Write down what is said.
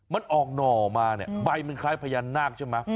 มันออกหน่อมาเนี่ยใบมันคล้ายพญานาคใช่ไหม